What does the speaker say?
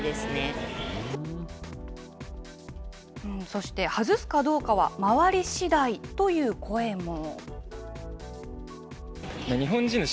そして外すかどうかは、周りしだいという声も。